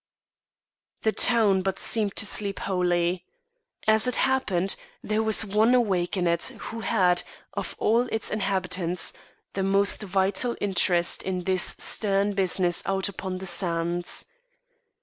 The town but seemed to sleep wholly; as it happened, there was one awake in it who had, of all its inhabitants, the most vital interest in this stern business out upon the sands.